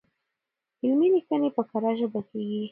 علمي ليکنې په کره ژبه کيږي.